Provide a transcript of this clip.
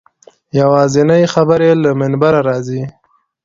یوازینۍ خبرې له منبره راځي.